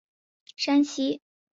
山西乡试第四十四名。